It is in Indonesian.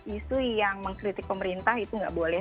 isu yang mengkritik pemerintah itu nggak boleh